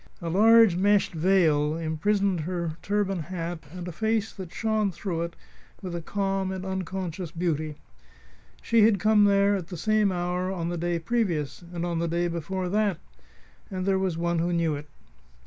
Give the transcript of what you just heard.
A large meshed veil imprisoned her turban hat and a face that shone through it with a calm and unconscious beauty. She had come there at the same hour on the day previous, and on the day before that; and there was one who knew it.